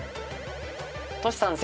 トシさん